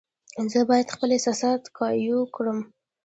زه باید خپل احساسات قابو کړم.